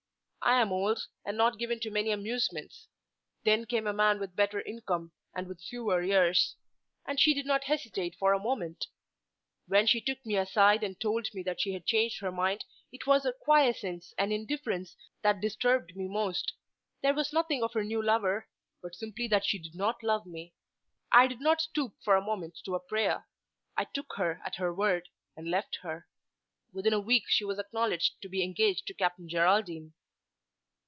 I am old, and not given to many amusements. Then came a man with a better income and with fewer years; and she did not hesitate for a moment. When she took me aside and told me that she had changed her mind, it was her quiescence and indifference that disturbed me most. There was nothing of her new lover; but simply that she did not love me. I did not stoop for a moment to a prayer. I took her at her word, and left her. Within a week she was acknowledged to be engaged to Captain Geraldine."